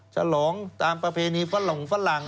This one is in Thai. ฉลองตามประเพณีฟันหล่องฟันหลัง